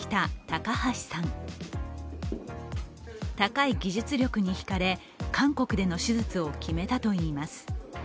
高い技術力にひかれ、韓国での手術を決めたといいます。